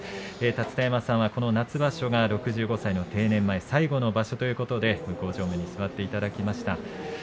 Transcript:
立田山さんはこの夏場所が６５歳定年前、最後の場所ということで向正面に座っていただきました。